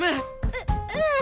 うううん。